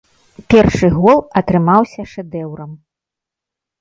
Першы гол атрымаўся шэдэўрам.